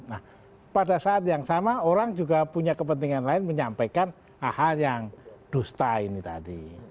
nah pada saat yang sama orang juga punya kepentingan lain menyampaikan hal hal yang dusta ini tadi